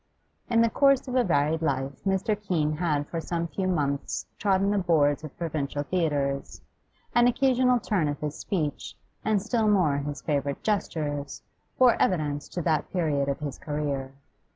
In the course of a varied life Mr. Keene had for some few months trodden the boards of provincial theatres; an occasional turn of his speech, and still more his favourite gestures, bore evidence to that period of his career.